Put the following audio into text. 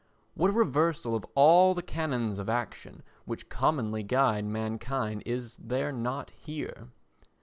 What a reversal of all the canons of action which commonly guide mankind is there not here?